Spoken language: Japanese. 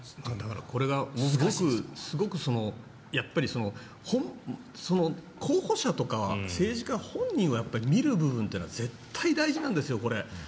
これがすごく候補者とか政治家本人は見る部分というのは絶対大事なんですよ。